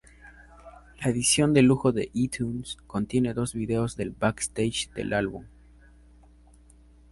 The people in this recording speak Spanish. La edición de lujo de iTunes contiene dos videos del backstage del álbum.